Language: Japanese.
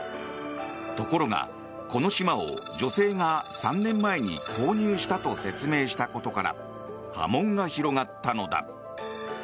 ところが、この島を女性が３年前に購入したと説明したことから波紋が広がったのだ。